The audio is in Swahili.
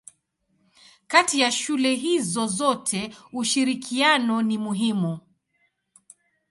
Kati ya shule hizo zote ushirikiano ni muhimu.